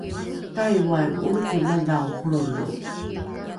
taiwan omiki madhao holrolo